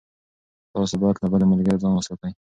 تاسو باید له بدو ملګرو ځان وساتئ.